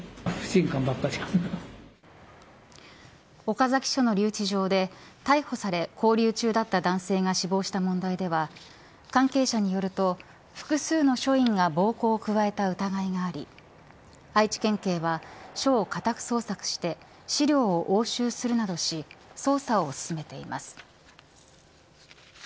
岡崎市の留置場で逮捕され、勾留中だった男性が死亡した問題では関係者によると複数の署員が暴行を加えた疑いがあり愛知県警は署を家宅捜索して資料を押収するなどし捜査を進めています。